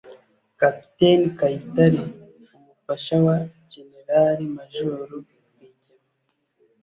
kapiteni kayitare: umufasha wa jenerali majoro rwigema